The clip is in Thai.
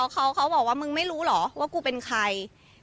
เขาบอกว่ามึงไม่รู้เหรอว่ากูเป็นใคร